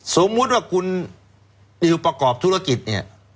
สมมุติว่าคุณนิวประกอบธุรกิจเนี่ย